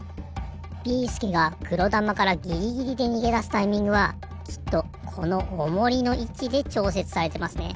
ビーすけがくろだまからギリギリでにげだすタイミングはきっとこのオモリのいちでちょうせつされてますね。